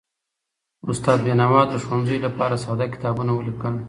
استاد بینوا د ښوونځیو لپاره ساده کتابونه ولیکل.